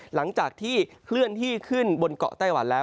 หลังจากที่เคลื่อนที่ขึ้นบนเกาะไต้หวันแล้ว